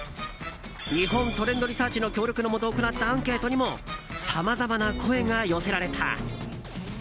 日本トレンドリサーチの協力のもと行ったアンケートにもさまざまな声が寄せられた。